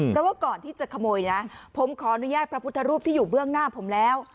เพราะว่าก่อนที่จะขโมยนะผมขออนุญาตพระพุทธรูปที่อยู่เบื้องหน้าผมแล้ว